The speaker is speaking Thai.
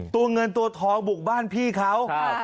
ตัวเงินตัวทองบุกบ้านพี่เขา